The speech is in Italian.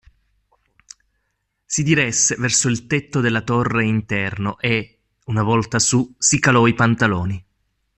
Si diresse verso il tetto della torre interno e, una volta su, si calò i pantaloni.